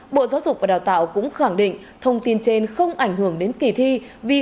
bộ giáo dục và đào tạo cũng khẳng định thông tin trên không ảnh hưởng đến kỳ thi